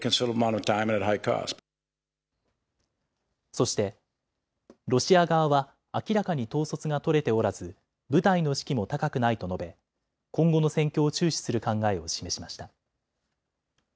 そして、ロシア側は明らかに統率が取れておらず部隊の士気も高くないと述べ今後の戦況を注視する考えを示しました。